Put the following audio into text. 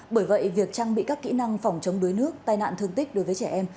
bởi vậy việc trang bị các kỹ năng phòng chống đuối nước tai nạn thương tích đối với trẻ em